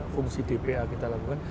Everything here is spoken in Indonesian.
fungsi dpa kita lakukan